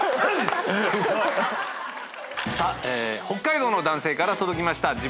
北海道の男性から届きました。